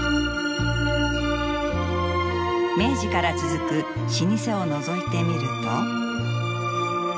明治から続く老舗をのぞいてみると。